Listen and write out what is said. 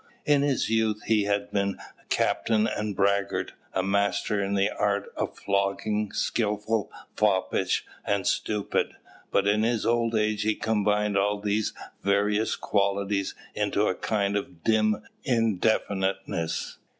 In his youth he had been a captain and a braggart, a master in the art of flogging, skilful, foppish, and stupid; but in his old age he combined all these various qualities into a kind of dim indefiniteness.